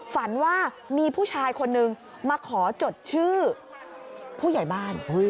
ฝันว่ามีผู้ชายคนนึงมาขอจดชื่อผู้ใหญ่บ้าน